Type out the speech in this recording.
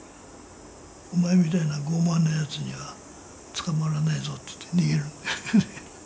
お前みたいな傲慢なやつには捕まらないぞっていって逃げる。